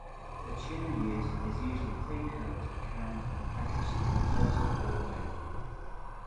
The tuna used is usually pre-cooked, canned, and packaged in water or oil.